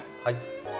はい。